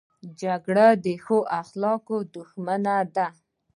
جګړه د ښو اخلاقو دښمنه ده